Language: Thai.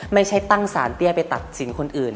ไม่ใช่ตั้งสารเตี้ยไปตัดสินคนอื่น